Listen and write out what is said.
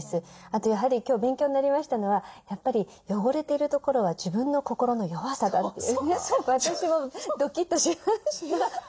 あとやはり今日勉強になりましたのはやっぱり「汚れているところは自分の心の弱さだ」って私もドキッとしました。